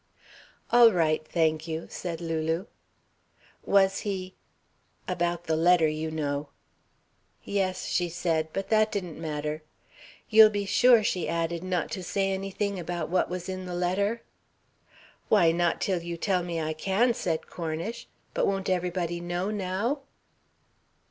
"All right, thank you," said Lulu. "Was he about the letter, you know?" "Yes," she said, "but that didn't matter. You'll be sure," she added, "not to say anything about what was in the letter?" "Why, not till you tell me I can," said Cornish, "but won't everybody know now?"